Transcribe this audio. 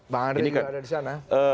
bang andre juga ada di sana